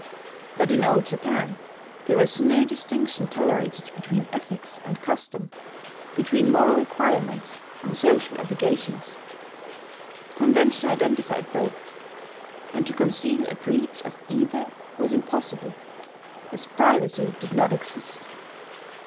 But in Old Japan there was no distinction tolerated between ethics and custom between moral requirements and social obligations: convention identified both, and to conceal a breach of either was impossible, as privacy did not exist.